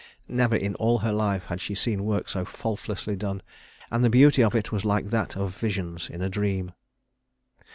Never in all her life had she seen work so faultlessly done, and the beauty of it was like that of visions in a dream.